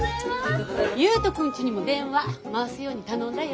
悠人君ちにも電話回すように頼んだよ。